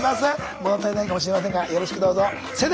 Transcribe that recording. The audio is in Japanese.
物足りないかもしれませんがよろしくどうぞ。